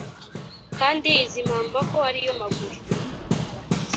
kandi izi mpamba ko ari yo maguru